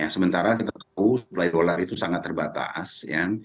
sementara kita tahu dolar itu sangat terbatas